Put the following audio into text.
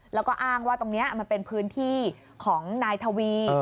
แล้วก็อ้างว่าตรงนี้มันเป็นพื้นที่ของนายทวี